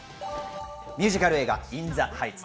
ミュージカル映画『イン・ザ・ハイツ』。